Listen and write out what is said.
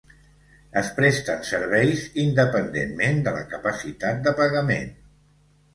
Es presten serveis independentment de la capacitat de pagament.